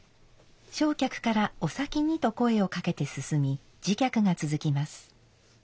正客から「お先に」と声をかけて進み次客が続きます。